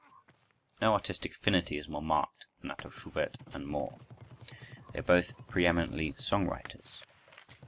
No artistic affinity is more marked than that of Schubert and Moore. They are both preëminently song writers.